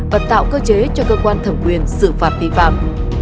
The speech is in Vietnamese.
và tạo cơ chế cho cơ quan thẩm quyền xử phạt vi phạm